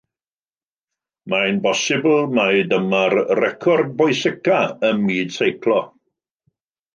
Mae'n bosibl mai dyma'r record bwysicaf ym myd seiclo.